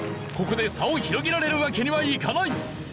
ここで差を広げられるわけにはいかない！